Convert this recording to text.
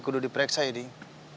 kudu diperiksa ya deng